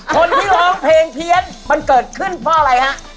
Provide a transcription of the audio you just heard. คนที่ร้องเพลงเพี้ยนมันเกิดขึ้นเพราะอะไรฮะ